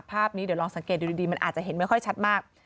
ภาพนี้เดี๋ยวลองสังเกตดูดีมันอาจจะเห็นไม่ค่อยชัดมาก